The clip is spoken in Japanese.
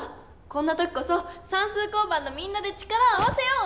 こんな時こそさんすう交番のみんなで力を合わせよう！